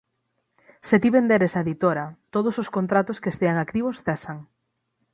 Se ti venderes a editora, todos os contratos que estean activos cesan.